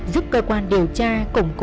giúp cơ quan điều tra củng cố niềm tin